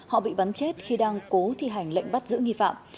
họ bị bắn chết khi đang cố thi hành lệnh bắt giữ nghi phạm